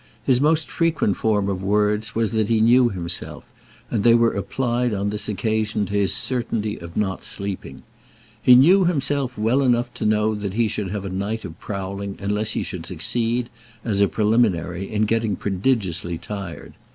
His most frequent form of words was that he knew himself, and they were applied on this occasion to his certainty of not sleeping. He knew himself well enough to know that he should have a night of prowling unless he should succeed, as a preliminary, in getting prodigiously tired.